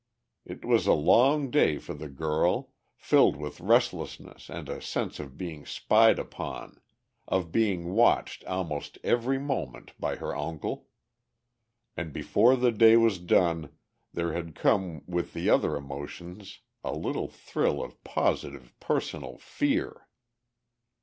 It was a long day for the girl, filled with restlessness and a sense of being spied upon, of being watched almost every moment by her uncle. And before the day was done, there had come with the other emotions a little thrill of positive, personal fear.